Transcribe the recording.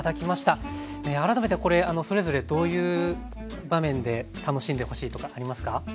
改めてこれそれぞれどういう場面で楽しんでほしいとかありますか？